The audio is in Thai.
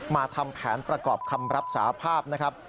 มาทำแผนประกอบคำรับสาภาพนะครับ